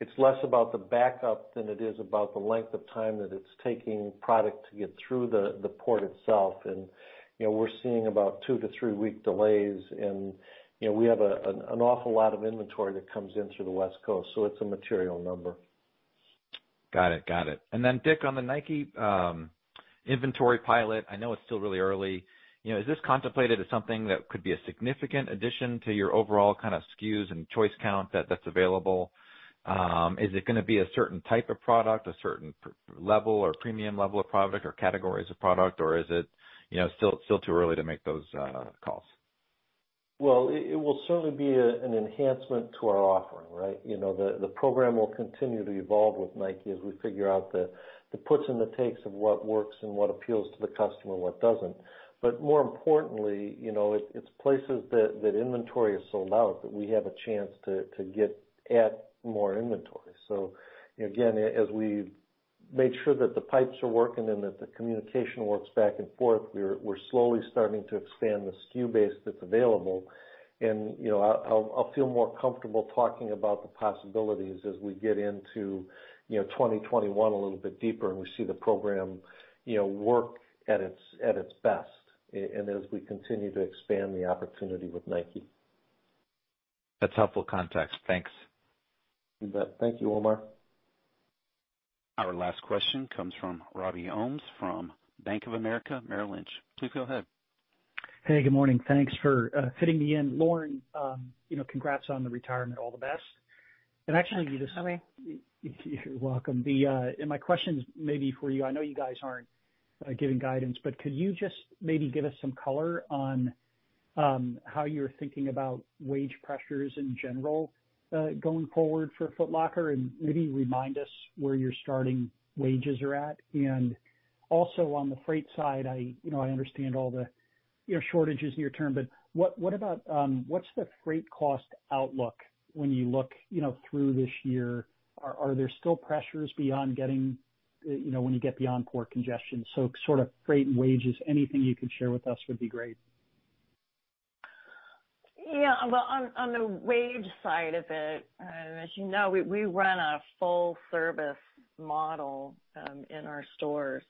it's less about the backup than it is about the length of time that it's taking product to get through the port itself. We're seeing about two to three-week delays, and we have an awful lot of inventory that comes in through the West Coast, so it's a material number. Got it. Dick, on the Nike inventory pilot, I know it's still really early. Is this contemplated as something that could be a significant addition to your overall SKUs and choice count that's available? Is it going to be a certain type of product, a certain level or premium level of product or categories of product, or is it still too early to make those calls? Well, it will certainly be an enhancement to our offering, right? The program will continue to evolve with Nike as we figure out the puts and the takes of what works and what appeals to the customer and what doesn't. More importantly, it's places that inventory is sold out that we have a chance to add more inventory. So again, as we make sure that the pipes are working and that the communication works back and forth, we're slowly starting to expand the SKU base that's available. And I'll feel more comfortable talking about the possibilities as we get into 2021 a little bit deeper and we see the program work at its best and as we continue to expand the opportunity with Nike. That's helpful context. Thanks. You bet. Thank you, Omar. Our last question comes from Robby Ohmes from Bank of America Merrill Lynch. Please go ahead. Hey, good morning. Thanks for fitting me in. Lauren, congrats on the retirement. All the best. Thanks, Robby. You're welcome. My question is maybe for you, I know you guys aren't giving guidance, but could you just maybe give us some color on how you're thinking about wage pressures in general going forward for Foot Locker, and maybe remind us where your starting wages are at? Also on the freight side, I understand all the shortages near term, but what's the freight cost outlook when you look through this year? Are there still pressures when you get beyond port congestion? Sort of freight and wages, anything you can share with us would be great. Yeah. Well, on the wage side of it, as you know, we run a full-service model in our stores.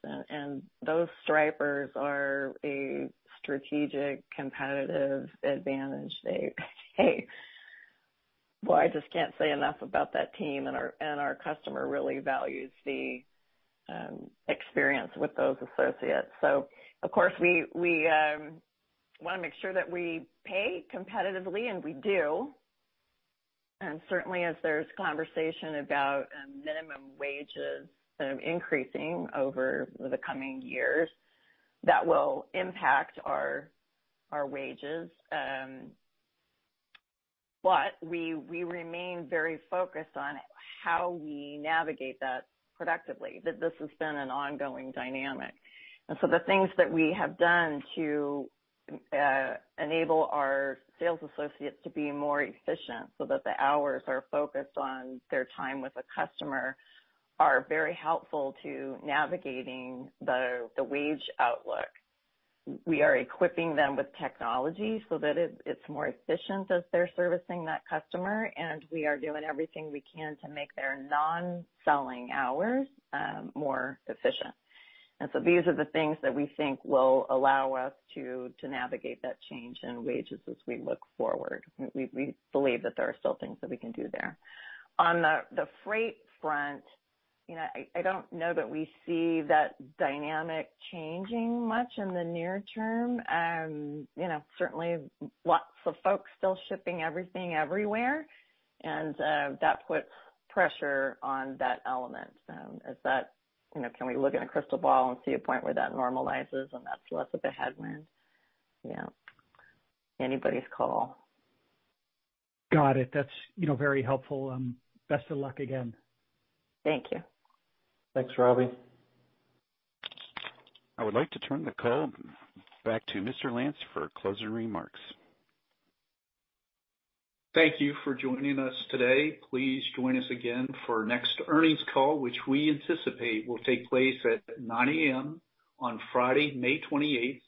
Those Stripers are a strategic competitive advantage. Well, I just can't say enough about that team and our customer really values the experience with those associates. Of course, we want to make sure that we pay competitively, and we do. Certainly, as there's conversation about minimum wages increasing over the coming years, that will impact our wages. We remain very focused on how we navigate that productively. This has been an ongoing dynamic. The things that we have done to enable our sales associates to be more efficient so that the hours are focused on their time with a customer are very helpful to navigating the wage outlook. We are equipping them with technology so that it's more efficient as they're servicing that customer, and we are doing everything we can to make their non-selling hours more efficient. These are the things that we think will allow us to navigate that change in wages as we look forward. We believe that there are still things that we can do there. On the freight front, I don't know that we see that dynamic changing much in the near term. Certainly, lots of folks still shipping everything everywhere, and that puts pressure on that element. Can we look in a crystal ball and see a point where that normalizes and that's less of a headwind? Yeah. Anybody's call. Got it. That's very helpful. Best of luck again. Thank you. Thanks, Robby. I would like to turn the call back to Mr. Lance for closing remarks. Thank you for joining us today. Please join us again for our next earnings call, which we anticipate will take place at 9:00 A.M. on Friday, May 28th.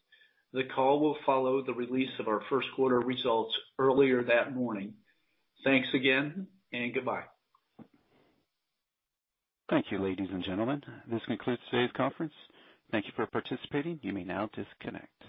The call will follow the release of our first quarter results earlier that morning. Thanks again, and goodbye. Thank you, ladies and gentlemen. This concludes today's conference. Thank you for participating. You may now disconnect.